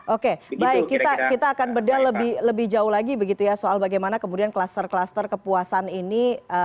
oke baik kita akan bedah lebih jauh lagi begitu ya soal bagaimana kemudian kluster kluster kepuasan ini